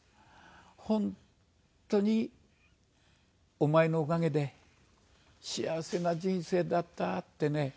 本当にお前のおかげで幸せな人生だった」ってね